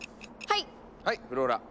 はいフローラ。